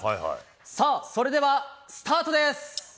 さあ、それではスタートです。